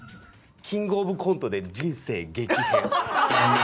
キングオブコントで人生激変。